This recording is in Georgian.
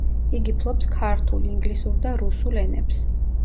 იგი ფლობს ქართულ, ინგლისურ და რუსულ ენებს.